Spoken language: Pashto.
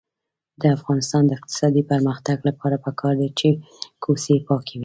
د افغانستان د اقتصادي پرمختګ لپاره پکار ده چې کوڅې پاکې وي.